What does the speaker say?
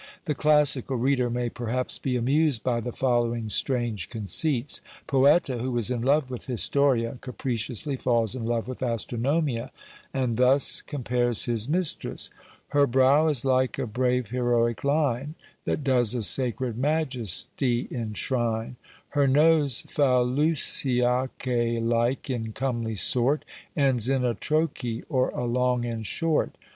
The classical reader may perhaps be amused by the following strange conceits. Poeta, who was in love with Historia, capriciously falls in love with Astronomia, and thus compares his mistress: Her brow is like a brave heroic line That does a sacred majestie inshrine; Her nose, Phaleuciake like, in comely sort, Ends in a Trochie, or a long and short.